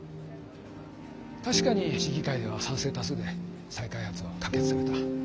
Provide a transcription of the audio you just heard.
確かに市議会では賛成多数で再開発は可決された。